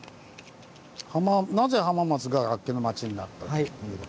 「なぜ浜松が楽器の町になった」ということで。